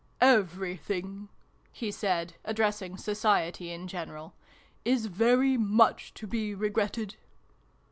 "Everything" he said, addressing Society in general, " is very much to be regretted